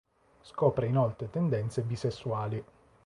Scopre inoltre tendenze bisessuali.